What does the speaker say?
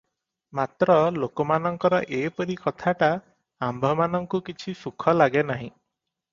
ମାତ୍ର ଲୋକମାନଙ୍କର ଏପରି କଥାଟା ଆମ୍ଭମାନଙ୍କୁ କିଛି ସୁଖ ଲାଗେ ନାହିଁ ।